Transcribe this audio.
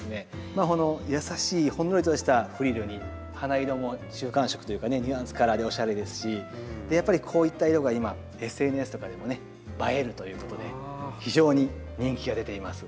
まあ優しいほんのりとしたフリルに花色も中間色というかねニュアンスカラーでおしゃれですしやっぱりこういった色が今ＳＮＳとかでもね映えるということで非常に人気が出ています。